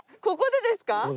ここでですか？